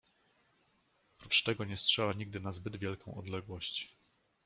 Prócz tego nie strzela nigdy na zbyt wielką odległość.